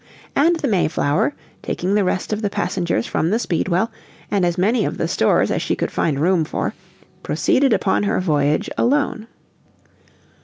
And the Mayflower, taking the rest of the passengers from the Speedwell, and as many of the stores as she could find room for, proceeded upon her voyage alone.